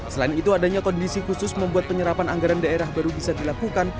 selain itu adanya kondisi khusus membuat penyerapan anggaran daerah baru bisa dilakukan